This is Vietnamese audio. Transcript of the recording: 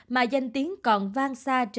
mà danh tiếng còn vang xa trên khắp thế giới